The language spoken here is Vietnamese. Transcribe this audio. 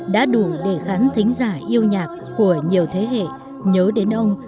đã đủ để khán thính giả yêu thương